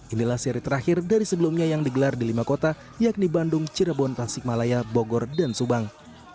inilah seri terakhir dari sebelumnya yang digelar di lima kota yakni bandung cirebon tasikmalaya bogor dan subang